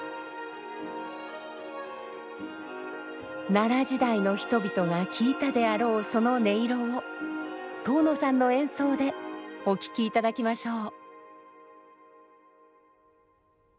奈良時代の人々が聴いたであろうその音色を東野さんの演奏でお聴きいただきましょう。